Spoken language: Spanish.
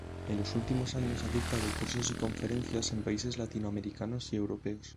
En los últimos años ha dictado cursos y conferencias en países latinoamericanos y europeos.